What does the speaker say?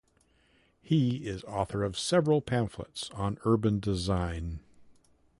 He is author of several pamphlets on urban design.